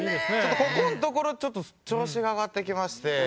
ここのところちょっと調子が上がってきまして。